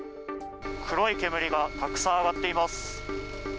黒い煙がたくさん上がっています。